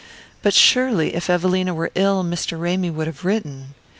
But surely if Evelina were ill Mr. Ramy would have written.